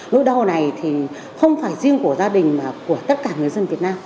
nỗi đau này thì không phải riêng của gia đình mà của tất cả người dân việt nam